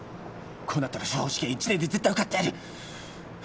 こうなったら司法試験１年で絶対受かってやる！